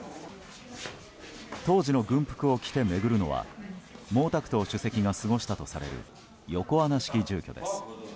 当時の軍服を着て巡るのは毛沢東主席が過ごしたとされる横穴式住居です。